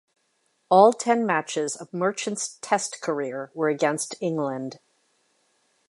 All ten matches of Merchant's Test career were against England.